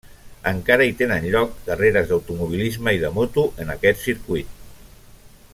Encara hi tenen lloc carreres d'automobilisme i de moto en aquest circuit.